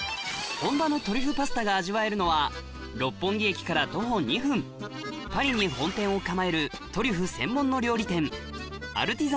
本場のトリュフパスタが味わえるのは六本木駅から徒歩２分パリに本店を構えるトリュフ専門の料理店開放感。